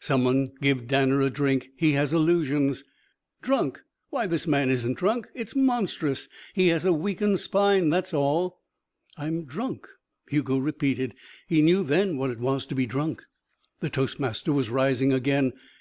"Some one give Danner a drink. He has illusions." "Drunk! Why, this man isn't drunk. It's monstrous. He has a weakened spine, that's all." "I'm drunk," Hugo repeated. He knew then what it was to be drunk. The toastmaster was rising again.